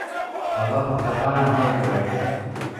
Ava porteqalan heye gelo?